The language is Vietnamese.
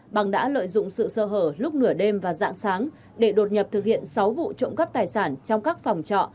bằng đã lợi dụng sự sơ hở lúc nửa đêm và dạng sáng để đột nhập thực hiện sáu vụ trộm cắp tài sản trong các phòng trọ